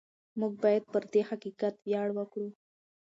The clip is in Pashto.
موږ باید پر دې حقیقت ویاړ وکړو.